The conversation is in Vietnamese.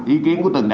ý kiến của từng người